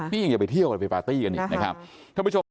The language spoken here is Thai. พี่อย่าไปเที่ยวไปปาร์ตี้กันอีกนะครับ